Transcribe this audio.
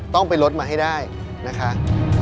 ต้องไปลดมาให้ได้นะคะ